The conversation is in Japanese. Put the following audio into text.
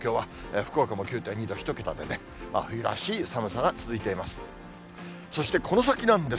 福岡も９．２度、１桁で冬らしい寒さが続いています。